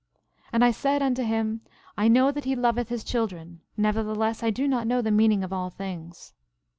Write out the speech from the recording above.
11:17 And I said unto him: I know that he loveth his children; nevertheless, I do not know the meaning of all things.